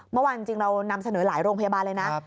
เมื่อวานจริงเรานำเสนอหลายโรงพยาบาลเลยนะ